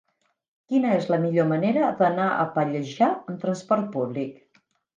Quina és la millor manera d'anar a Pallejà amb trasport públic?